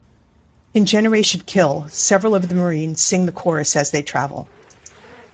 In "Generation Kill" several of the Marines sing the chorus as they travel.